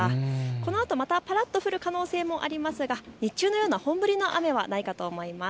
このあとまたぱらとお降る可能性もありますが日中のような本降りの雨はないかと思います。